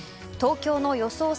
東京の予想